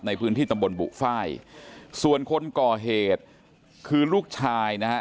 ในพื้นที่ตำบลบุฟ้ายส่วนคนก่อเหตุคือลูกชายนะฮะ